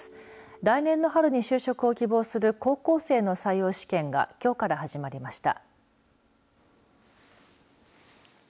来年の春に就職を希望する高校生の採用試験がきょうから始まりました。